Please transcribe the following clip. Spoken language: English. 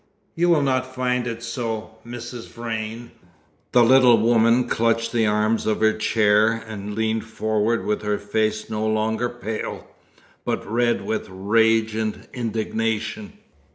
"You will not find it so, Mrs. Vrain." The little woman clutched the arms of her chair and leaned forward with her face no longer pale, but red with rage and indignation.